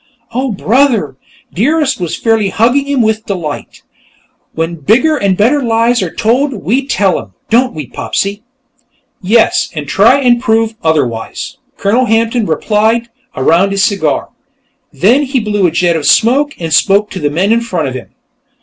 "Oh, brother!" Dearest was fairly hugging him with delight. "When bigger and better lies are told, we tell them, don't we, Popsy?" "Yes, and try and prove otherwise," Colonel Hampton replied, around his cigar. Then he blew a jet of smoke and spoke to the men in front of him.